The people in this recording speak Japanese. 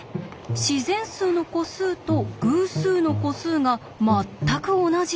自然数の個数と偶数の個数がまったく同じ！？